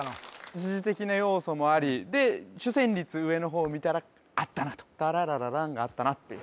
時事的な要素もありで主旋律上の方見たらあったなと「タララララン」があったなっていう